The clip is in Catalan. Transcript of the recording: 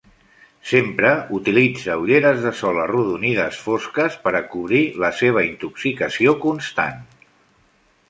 Sempre utilitza ulleres de sol arrodonides fosques per cobrir la seva intoxicació constant.